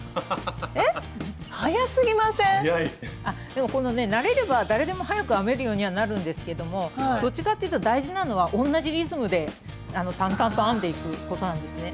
でもこのね慣れれば誰でも速く編めるようにはなるんですけどもどっちかっていうと大事なのは同じリズムで淡々と編んでいくことなんですね。